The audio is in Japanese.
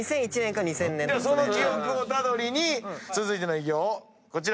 その記憶を頼りに続いての偉業こちら。